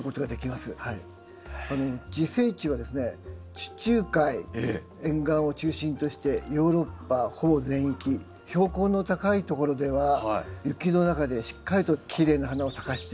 地中海沿岸を中心としてヨーロッパほぼ全域標高の高いところでは雪の中でしっかりときれいな花を咲かしてくれております。